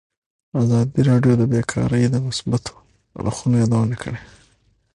ازادي راډیو د بیکاري د مثبتو اړخونو یادونه کړې.